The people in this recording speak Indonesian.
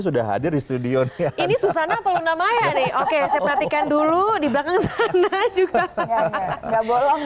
sudah hadir di studio ini susana peluna maya nih oke saya perhatikan dulu di belakang juga